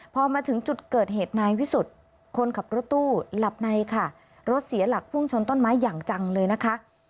พอมาถึงจุดเกิดเหตุนายวิสุทธิ์คนขับรถตู้หลับในค่ะรถเสียหลักพุ่งชนต้นไม้อย่างจังเลยนะคะ